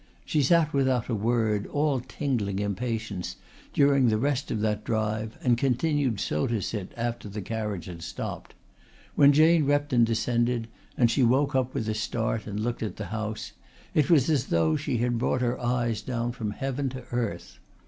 She sat without a word, all tingling impatience, during the rest of that drive and continued so to sit after the carriage had stopped. When Jane Repton descended, and she woke up with a start and looked at the house, it was as though she brought her eyes down from heaven to earth.